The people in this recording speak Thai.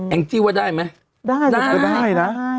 แอ้งจี้ว่าได้ไหม